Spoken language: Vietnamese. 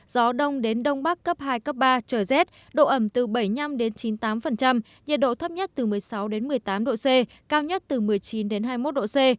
gió đông đến đông bắc cấp hai cấp ba trời rét độ ẩm từ bảy mươi năm chín mươi tám nhiệt độ thấp nhất từ một mươi sáu một mươi tám độ c cao nhất từ một mươi chín hai mươi một độ c